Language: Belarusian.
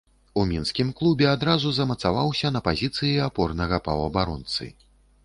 У мінскім клубе адразу замацаваўся на пазіцыі апорнага паўабаронцы.